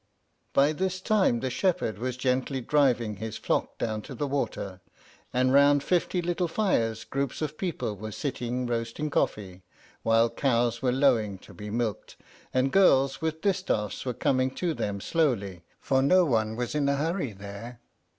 By this time the shepherd was gently driving his flock down to the water, and round fifty little fires groups of people were sitting roasting coffee, while cows were lowing to be milked, and girls with distaffs were coming to them slowly, for no one was in a hurry there.